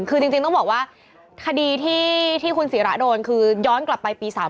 คือจริงต้องบอกว่าคดีที่คุณศิระโดนคือย้อนกลับไปปี๓๔